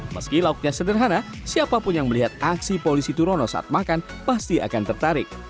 meski lauknya sederhana siapapun yang melihat aksi polisi turono saat makan pasti akan tertarik